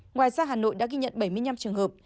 ngoài ra hà nội đã ghi nhận bảy mươi năm trường hợp